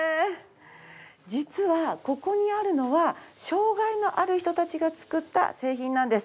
実はここにあるのは障がいのある人たちが作った製品なんです。